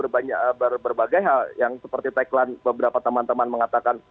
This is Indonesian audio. berbagai hal yang seperti tagline beberapa teman teman mengatakan